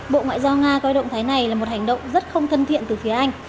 bộ ngoại giao nga coi động thái này là một hành động rất không thân thiện từ phía anh